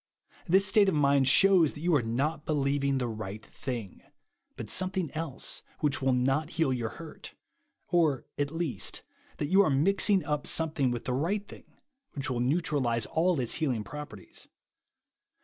This state of mind shews that you are not believing the right thing ; but some thing else which wiU not heal your hurt ;. or, at least, that you are mixing up some thing with the right thing, wliich will neutralise all its healing properties.